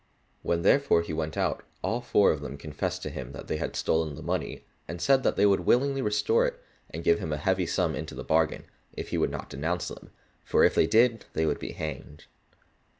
When therefore he went out, all four of them confessed to him that they had stolen the money, and said that they would willingly restore it and give him a heavy sum into the bargain, if he would not denounce them, for if he did they would be hanged.